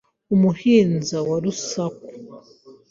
Umuhinza wa Rusaku